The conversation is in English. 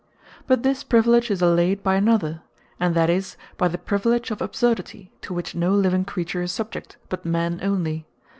But this priviledge, is allayed by another; and that is, by the priviledge of Absurdity; to which no living creature is subject, but man onely.